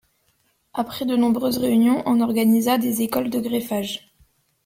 Après de nombreuses réunions, on organisa des écoles de greffage.